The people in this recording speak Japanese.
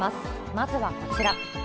まずはこちら。